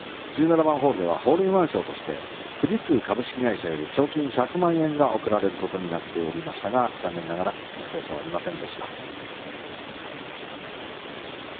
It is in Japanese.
１７番ホールではホールインワン賞として富士通株式会社より賞金１００万円が贈られることになっていましたが残念ながら達成者はいませんでした。